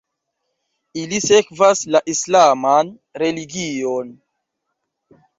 Ili sekvas la islaman religion.